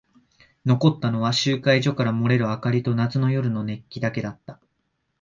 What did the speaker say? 残ったのは集会所から漏れる明かりと夏の夜の熱気だけだった。